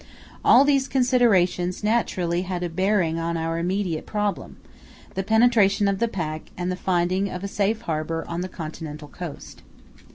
All these considerations naturally had a bearing upon our immediate problem, the penetration of the pack and the finding of a safe harbour on the continental coast.